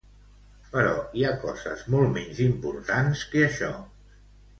Però hi ha coses molt menys importants que això.